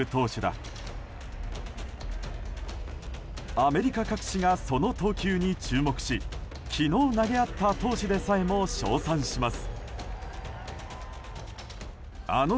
アメリカ各紙がその投球に注目し昨日投げ合った投手でさえも称賛します。